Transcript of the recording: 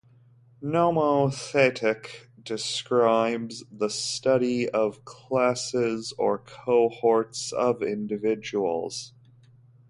Nomothetic describes the study of classes or cohorts of individuals.